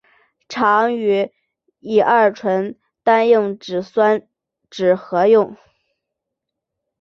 常与乙二醇单硬脂酸酯合用。